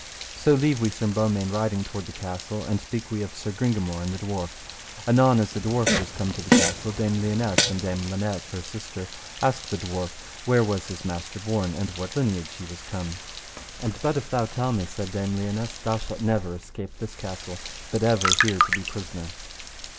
So leave we Sir Beaumains riding toward the castle, and speak we of Sir Gringamore and the dwarf. Anon as the dwarf was come to the castle, Dame Lionesse and Dame Linet her sister, asked the dwarf where was his master born, and of what lineage he was come. And but if thou tell me, said Dame Lionesse, thou shalt never escape this castle, but ever here to be prisoner.